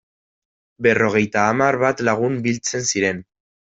Berrogeita hamar bat lagun biltzen ziren.